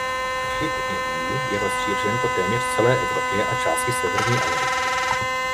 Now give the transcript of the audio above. Hřib hnědý je rozšířen po téměř celé Evropě a části Severní Ameriky.